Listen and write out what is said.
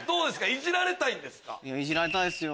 イジられたいですよ。